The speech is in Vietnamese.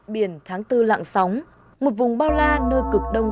biển tháng bốn lạng sóng một vùng bao la nơi cực đông